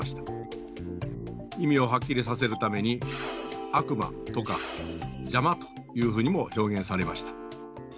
意味をはっきりさせるために「悪魔」とか「邪魔」というふうにも表現されました。